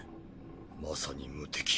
まさに無敵。